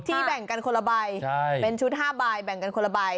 แบ่งกันคนละใบเป็นชุด๕ใบแบ่งกันคนละใบ